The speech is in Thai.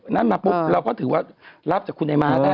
นั่นมาปุ๊บเราก็ถือว่ารับจากคุณไอ้ม้าได้